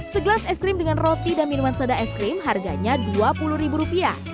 segelas es krim dengan roti dan minuman soda es krim harganya rp dua puluh